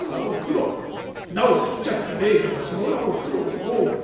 菜を食っちゃってねえから『その名を九郎判官』。